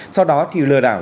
sau đó thì lừa đảo